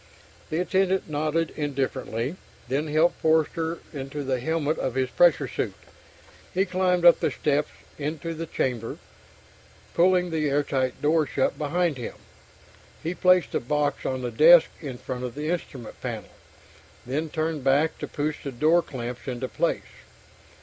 The attendant nodded indifferently, then helped Forster into the helmet of his pressure suit. He climbed up the steps into the chamber, pulling the airtight door shut behind him. He placed the box on the desk in front of the instrument panel, then turned back to push the door clamps into place.